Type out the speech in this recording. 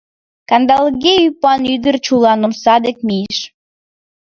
Кандалге ӱпан ӱдыр чулан омса дек мийыш.